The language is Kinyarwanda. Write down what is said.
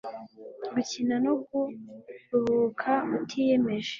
gukina no kuruhuka utiyemeje